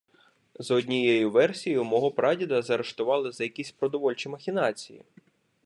За однією версію, мого прадіда заарештували за якісь продовольчі махінації.